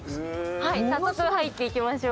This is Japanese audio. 早速入っていきましょう。